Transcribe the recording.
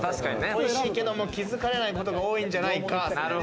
おいしいけれども、気づかれないことが多いんじゃないか。